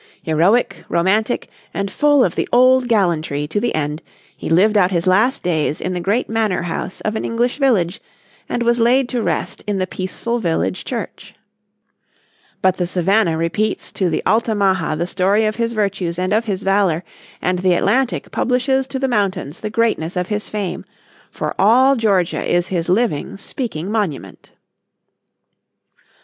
"Heroic, romantic, and full of the old gallantry" to the end, he lived out his last days in the great manor house of an English village, and was laid to rest in the peaceful village church in 1785. "But the Savannah repeats to the Altamaha the story of his virtues and of his valor, and the Atlantic publishes to the mountains the greatness of his fame, for all Georgia is his living, speaking monument."